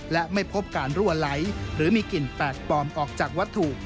และไม่พบการรั่วไหลหรือมีกลิ่นแปลกปลอมออกจากวัตถุ